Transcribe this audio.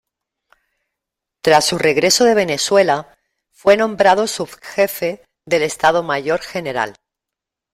Tras su regreso de Venezuela fue nombrado subjefe del Estado Mayor General.